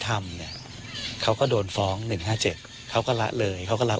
ทำเนี้ยเขาก็โดนฟ้องหนึ่งห้าเจ็บเขาก็ละเลยเขาก็ละ